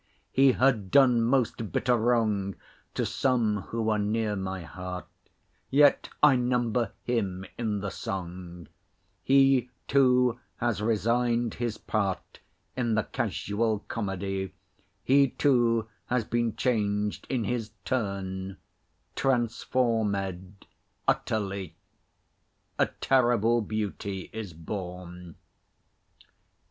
He had done most bitter wrong To some who are near my heart, Yet I number him in the song; He, too, has resigned his part In the casual comedy; He, too, has been changed in his turn, Transformed utterly: A terrible beauty is born.